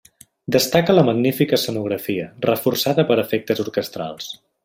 Destaca la magnífica escenografia, reforçada per efectes orquestrals.